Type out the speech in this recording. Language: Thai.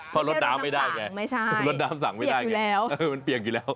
เพราะรถน้ำสั่งไม่ได้ไงมันเบี่ยงอยู่แล้ว